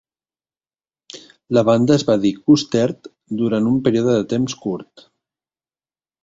La banda es va dir Custerd durant un període de temps curt.